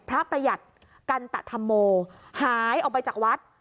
ประหยัดกันตะธรรมโมหายออกไปจากวัด